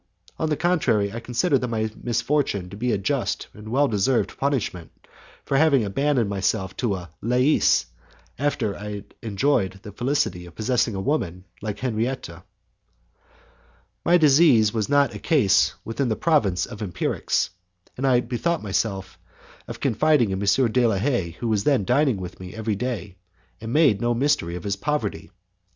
On the contrary, I considered that my misfortune to be a just and well deserved punishment for having abandoned myself to a Lais, after I had enjoyed the felicity of possessing a woman like Henriette. My disease was not a case within the province of empirics, and I bethought myself of confiding in M. de is Haye who was then dining every day with me, and made no mystery of his poverty.